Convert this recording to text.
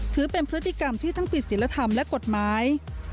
ถือเป็นพฤติกรรมที่ทั้งผิดศิลธรรมและกฎหมาย